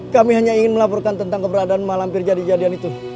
kami hanya ingin melaporkan tentang keberadaan pak lampir jadi jadian itu